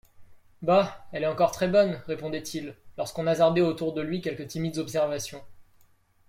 Bah ! elle est encore très-bonne, répondait-il, lorsqu'on hasardait autour de lui quelques timides observations.